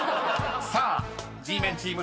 ［さあＧメンチーム